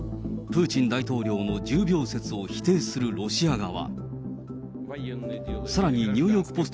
プーチン大統領の重病説を否定するロシア側。